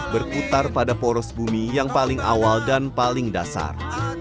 berputar pada poros bumi yang paling awal dan paling dasar